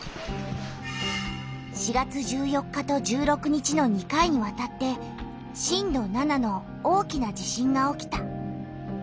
４月１４日と１６日の２回にわたって震度７の大きな地震が起きた。